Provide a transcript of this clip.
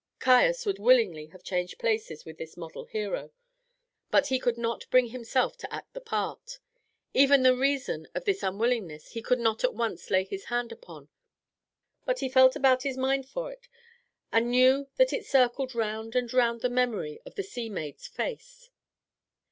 Caius would willingly have changed places with this model hero, but he could not bring himself to act the part. Even the reason of this unwillingness he could not at once lay his hand upon, but he felt about his mind far it, and knew that it circled round and round the memory of the sea maid's face.